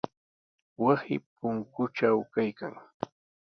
Wasi punkutraw kaykan.